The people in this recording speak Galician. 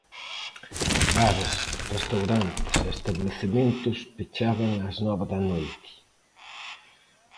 Bares, restaurantes e establecementos pechaban ás nove da noite.